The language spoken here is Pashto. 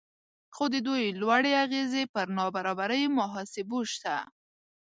خو د دوی لوړې اغیزې پر نابرابرۍ محاسبو شته